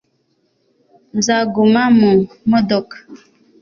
nzaguma mu modoka